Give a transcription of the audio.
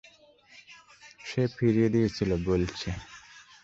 সে ফিরিয়ে দিয়েছিল বলছে।